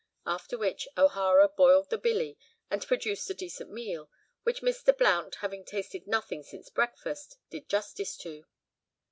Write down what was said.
After which O'Hara boiled the billy, and produced a decent meal, which Mr. Blount, having tasted nothing since breakfast, did justice to.